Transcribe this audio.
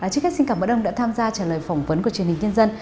chính khách xin cảm ơn ông đã tham gia trả lời phỏng vấn của truyền hình nhân dân